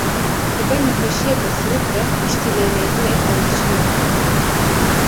Heger nexwşiyeke sivik be, piştî lênêrînê em diçin malê.